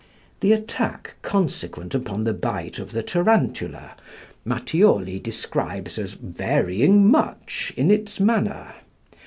The attack consequent upon the bite of the tarantula, Matthioli describes as varying much in its manner.